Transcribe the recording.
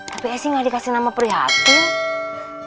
tapi esy gak dikasih nama prihatin